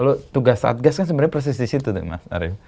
lalu tugas satgas kan sebenarnya persis disitu mas arief